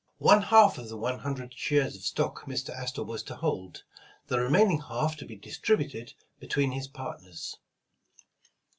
One half of the one hundred shares of stock Mr. Astor was to hold, the remaining half to be distributed between his partners.